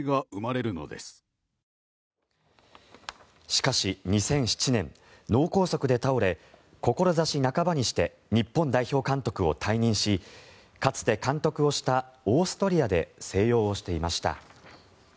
しかし２００７年脳梗塞で倒れ志半ばにして日本代表監督を退任しかつて監督をしたオーストリアで静養をしていました。